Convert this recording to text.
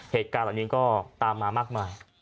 เหตุการณ์เหล่านี้ก็ตามมามากมาย